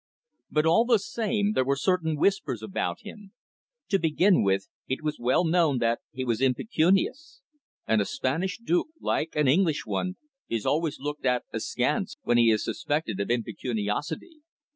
But, all the same, there were certain whispers about him. To begin with, it was well known that he was impecunious. And a Spanish duke, like an English one, is always looked at askance when he is suspected of impecuniosity.